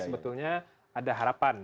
sebetulnya ada harapan